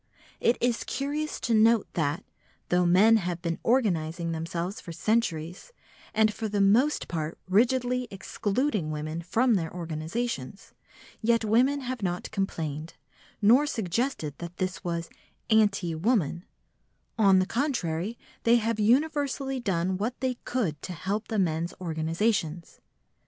It is curious to note that, though men have been organising themselves for centuries, and for the most part rigidly excluding women from their organisations, yet women have not complained, nor suggested that this was "anti woman"; on the contrary, they have universally done what they could to help the men's organisations.